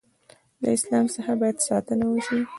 له اسلام څخه باید ساتنه وشي.